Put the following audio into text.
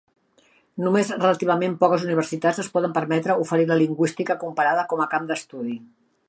Només relativament poques universitats es poden permetre oferir la lingüística comparada com a camp d'estudi.